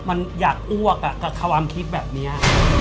มันอยากอ้วกกับความคิดแบบนี้